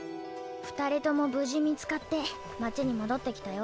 二人とも無事見つかって町に戻ってきたよ。